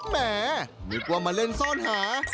แหมนึกว่ามาเล่นซ่อนหา